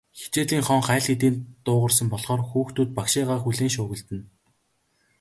Хичээлийн хонх аль хэдийн дуугарсан болохоор хүүхдүүд багшийгаа хүлээн шуугилдана.